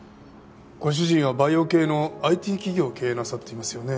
ご主人はバイオ系のＩＴ企業を経営なさっていますよね？